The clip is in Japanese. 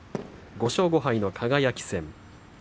５勝５敗の輝戦。